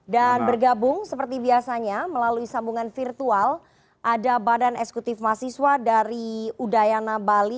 dan bergabung seperti biasanya melalui sambungan virtual ada badan esekutif masiswa dari udayana bali